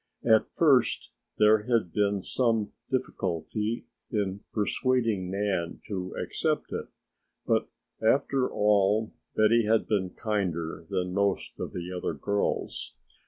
At first there had been some difficulty in persuading Nan to accept it, but after all Betty had been kinder than most of the other girls!